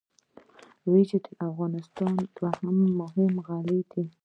وریجې د افغانستان دویمه مهمه غله ده.